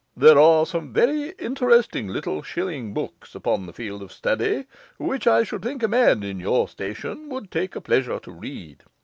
There are some very interesting little shilling books upon the field of study, which I should think a man in your station would take a pleasure to read.